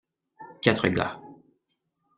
Quatre gars.